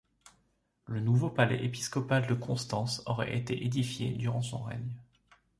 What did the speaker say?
Le nouveau palais épiscopal de Constance aurait été édifié durant son règne.